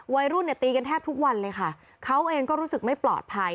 วัยรุ่นเนี่ยตีกันแทบทุกวันเลยค่ะเขาเองก็รู้สึกไม่ปลอดภัย